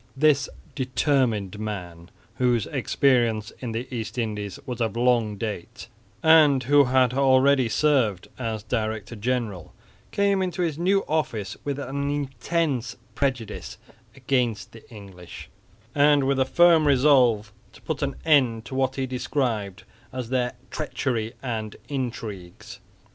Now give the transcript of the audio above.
This determined man, whose experience in the East Indies was of long date, and who had already served as director general, came into his new office with an intense prejudice against the English, and with a firm resolve to put an end to what he described as their treachery and intrigues.